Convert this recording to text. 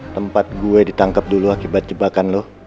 tempat gue ditangkap dulu akibat jebakan loh